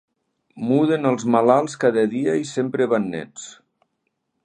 Muden els malalts cada dia i sempre van nets.